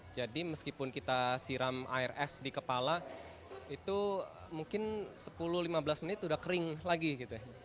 jadi meskipun kita siram air es di kepala itu mungkin sepuluh lima belas menit udah kering lagi gitu ya